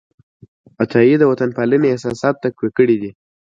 عطايي د وطنپالنې احساسات تقویه کړي دي.